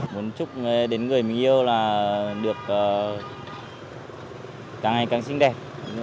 muốn chúc đến người mình yêu là được càng ngày càng xinh đẹp